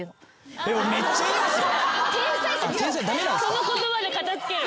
その言葉で片付ける。